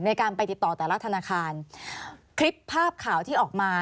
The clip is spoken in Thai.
ในการไปติดต่อแต่ละธนาคารคลิปภาพข่าวที่ออกมา